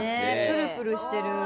プルプルしてる。